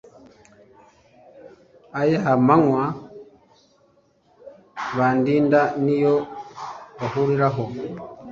Aya manywa bandinda, ni yo bahuraho;